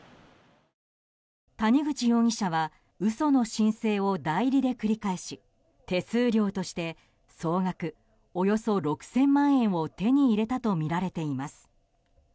谷口容疑者は嘘の申請を代理で繰り返し手数料として総額６０００万円を手に入れたとみられています。